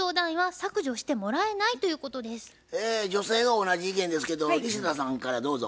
女性が同じ意見ですけど西田さんからどうぞ。